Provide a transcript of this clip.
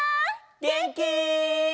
げんき？